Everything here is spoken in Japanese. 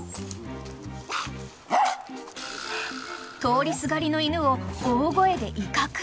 ［通りすがりの犬を大声で威嚇］